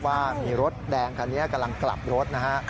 ว่ามีรถแดงคันนี้กำลังกลับรถนะฮะ